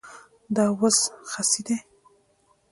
دا وز خسي دی